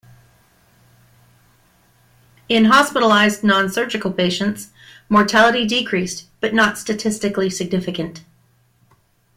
In hospitalized non-surgical patients, mortality decreased but not statistically significant.